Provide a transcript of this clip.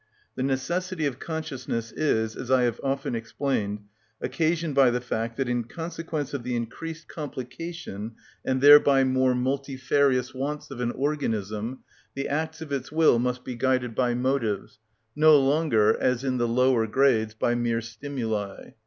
The necessity of consciousness is, as I have often explained, occasioned by the fact that in consequence of the increased complication, and thereby more multifarious wants, of an organism, the acts of its will must be guided by motives, no longer, as in the lower grades, by mere stimuli.